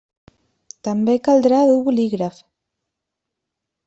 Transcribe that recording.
També caldrà dur bolígraf.